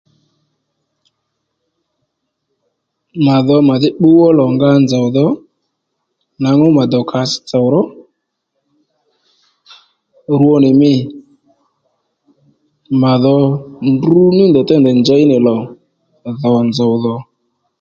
Mà dho mà dhí pbúw ó lò nga nzòw dhò nwǎngú mà dòw kass tsò ró rwo nì mî mà dho ndruní ndèy déy ndèy njěy nì lò dhò nzòw dhò